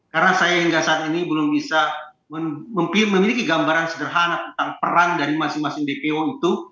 karena saya hingga saat ini belum bisa memiliki gambaran sederhana tentang peran dari masing masing dpo itu